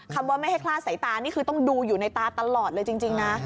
คำว่าไม่ให้คลาดสายตานี่คือต้องดูอยู่ในตาตลอดเลยจริงนะ